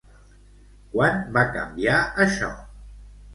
Quan va canviar, això?